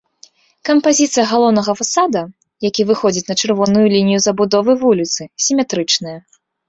Кампазіцыя галоўнага фасада, які выходзіць на чырвоную лінію забудовы вуліцы, сіметрычная.